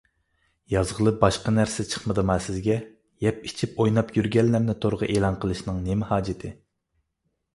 يازغىلى باشقا نەرسە چىقمىدىما سىزگە؟ يەپ-ئىچىپ ئويناپ يۈرگەنلەرنى تورغا ئېلان قىلىشنىڭ نېمە ھاجىتى؟